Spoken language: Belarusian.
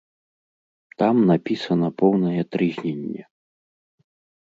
Там напісана поўнае трызненне!